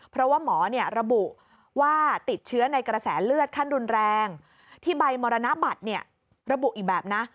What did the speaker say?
เพราะว่าหมอระบุว่าติดเชื้อในกระแสเลือดขั้นรุนแรงที่ใบมรณบัตรระบุอีกแบบนะ